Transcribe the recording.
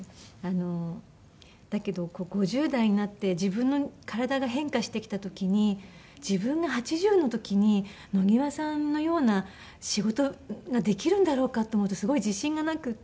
だけど５０代になって自分の体が変化してきた時に自分が８０の時に野際さんのような仕事ができるんだろうかって思うとすごい自信がなくて。